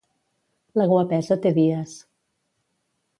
La guapesa té dies.